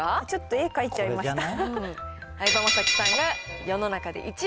ちょっと絵を描いちゃいました。